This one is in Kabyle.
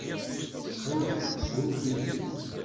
Ttxil-k, ssuref-iyi.